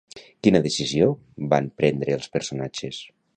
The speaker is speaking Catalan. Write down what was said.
Quina decisió van prendre els personatges?